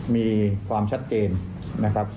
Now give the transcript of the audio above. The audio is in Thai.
มีความชัดเกณฑ์